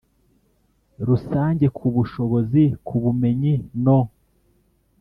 Rusange ku bushobozi ku bumenyi no